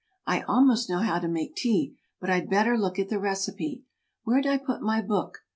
"I almost know how to make tea, but I'd better look at the recipe. Where'd I put my book?